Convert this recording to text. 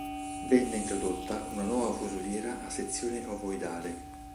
Venne introdotta una nuova fusoliera a sezione ovoidale.